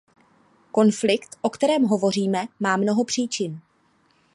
Konflikt, o kterém hovoříme, má mnoho příčin.